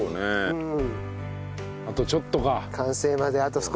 うん。